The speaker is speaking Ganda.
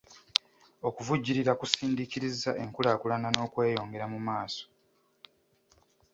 Okuvujjirira kusindiikiriza enkulaakulana n'okweyongera mu maaso.